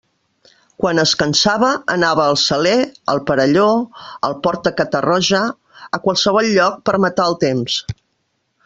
Quan es cansava, anava al Saler, al Perelló, al port de Catarroja, a qualsevol lloc, per a matar el temps.